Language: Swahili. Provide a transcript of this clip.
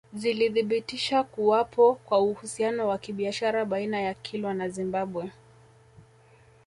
Zilithibitisha kuwapo kwa uhusiano wa kibiashara baina ya Kilwa na Zimbabwe